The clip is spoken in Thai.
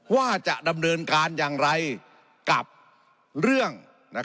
ว่าจะดำเนินการอย่างไรกับเรื่อง